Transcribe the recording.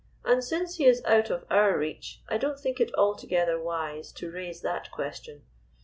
"And, since he is out of our reach, I don't think it altogether wise to raise that question.